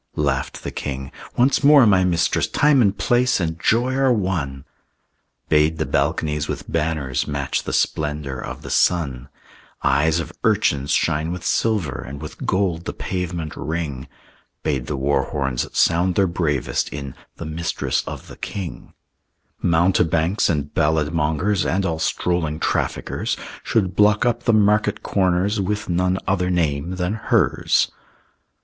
Laughed the king, "Once more, my mistress, Time and place and joy are one!" Bade the balconies with banners Match the splendor of the sun; Eyes of urchins shine with silver, And with gold the pavement ring; Bade the war horns sound their bravest In The Mistress of the King. Mountebanks and ballad mongers And all strolling traffickers Should block up the market corners With none other name than hers.